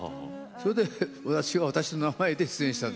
それで私は私の名前で出演したんです。